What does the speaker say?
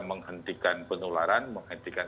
menghentikan penularan menghentikan